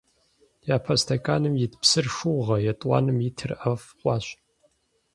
Япэ стэканым ит псыр шыугъэ, етӀуанэм итыр ӀэфӀ хъуащ.